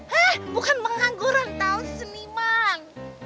hah bukan pengangguran tau seniman